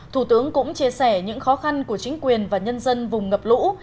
thủ tướng cũng chia sẻ những khó khăn của chính quyền và nhân dân vùng ngập lũ